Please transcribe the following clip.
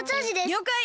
りょうかい！